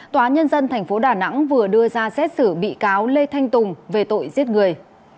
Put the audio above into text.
tòa nhân dân tp đà nẵng vừa đưa ra xét xử bị cáo lê thanh tùng về tội giết người